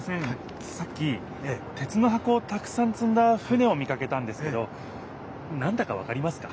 さっき鉄の箱をたくさんつんだ船を見かけたんですけどなんだかわかりますか？